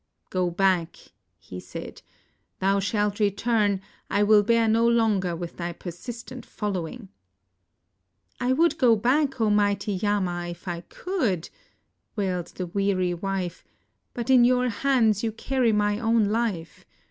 "Go back," he said. "Thou shalt return; I vd]l bear no longer with thy persistent following!" "I would go back, O mighty Yama, if I could," wailed the weary 22 SAVITRI'S CHOICE wife, "but in your hands you carry my own life.